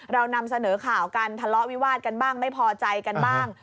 เรานำเสนอข่าวกันทะเลาะวิวาดกันบ้างไม่พอใจกันบ้าง